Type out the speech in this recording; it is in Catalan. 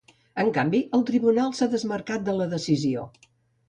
En canvi, el tribunal s’ha desmarcat de la decisió.